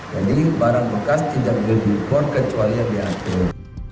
jadi barang bekas tidak boleh diimpor kecuali yang diatur